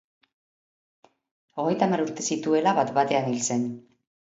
Hogeita hamar urte zituela, bat-batean hil zen.